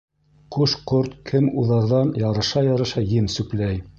Ҡош-ҡорт кемуҙарҙан ярыша-ярыша ем сүпләй.